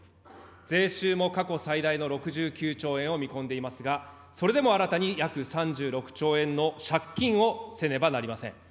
税収も過去最大の６９兆円を見込んでいますが、それでも新たに約３６兆円の借金をせねばなりません。